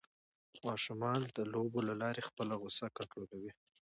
ماشومان د لوبو له لارې خپل غوسه کنټرولوي.